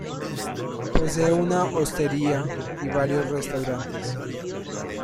Posee una hostería y varios restaurantes.